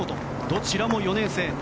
どちらも４年生。